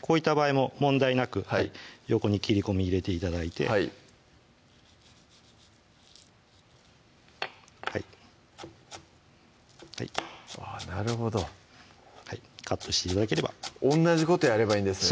こういった場合も問題なく横に切り込み入れて頂いてあなるほどカットして頂ければ同じことやればいいんですね